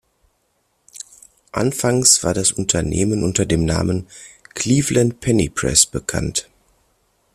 Anfangs war das Unternehmen unter dem Namen "Cleveland Penny Press" bekannt.